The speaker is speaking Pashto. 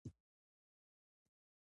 شاه غازي امان الله خان يو ستر شخصيت و.